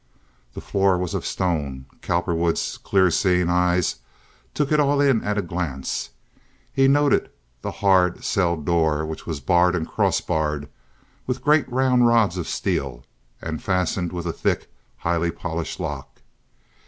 The floor was of stone. Cowperwood's clear seeing eyes took it all in at a glance. He noted the hard cell door, which was barred and cross barred with great round rods of steel, and fastened with a thick, highly polished lock.